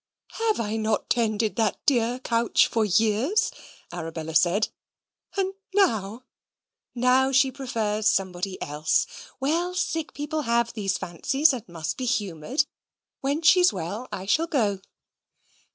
"Have I not tended that dear couch for years?" Arabella said, "and now " "Now she prefers somebody else. Well, sick people have these fancies, and must be humoured. When she's well I shall go."